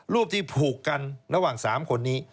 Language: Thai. รูปที่ผูกกันระหว่าง๓คนนี้